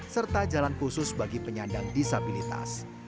serta jalan khusus bagi penyandang disabilitas